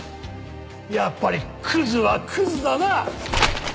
やっぱりクズはクズだなあ！